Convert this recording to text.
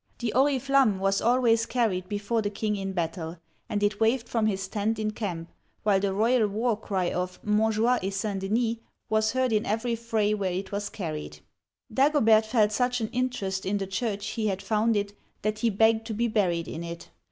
The Oriflamme was always carried before the king in battle, and it waved from his tent in camp, while the royal war cry of "Montjoie et St. Denis" (m6N zhwa' a saN de nee') was heard in every fray where it was carried. Dagobert felt such an interest in the church he had founded, that he begged to be buried in it.